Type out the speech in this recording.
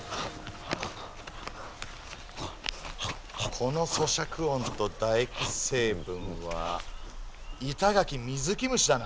このそしゃく音と唾液成分はイタガキミズキムシだな？